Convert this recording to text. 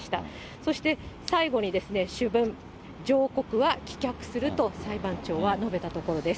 そして最後にですね、主文、上告は棄却すると、裁判長は述べたところです。